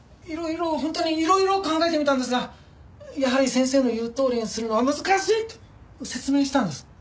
いろいろ本当にいろいろ考えてみたんですがやはり先生の言うとおりにするのは難しいと説明したんです。